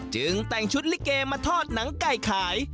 จึงแต่งชุดลิเกมาทอดหนังไก่ขาย